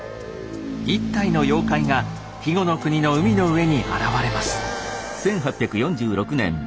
一体の妖怪が肥後国の海の上に現れます。